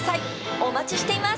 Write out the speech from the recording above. お待ちしています。